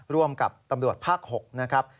ร่วมกับตำรวจภาค๖